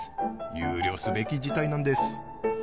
憂慮すべき事態なんです。